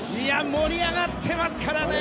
盛り上がってますからね。